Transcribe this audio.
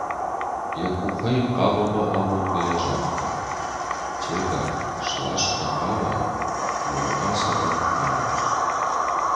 Йӕ къухӕй хъамамӕ амонгӕйӕ, загъта: «Тега, слас дӕ хъама ӕмӕ мӕ ацы ран амар!»